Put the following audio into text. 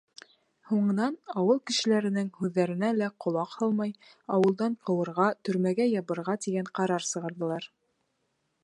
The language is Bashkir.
Һуңынан, ауыл кешеләренең һүҙҙәренә лә ҡолаҡ һалмай, ауылдан ҡыуырға, төрмәгә ябырға, тигән ҡарар сығарҙылар.